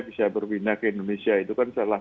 bisa berpindah ke indonesia itu kan salah